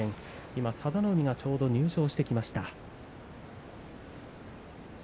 今、佐田の海がちょうど入場してきました。